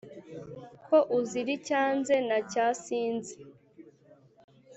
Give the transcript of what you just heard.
ko uzira icyanze na cya sinzi,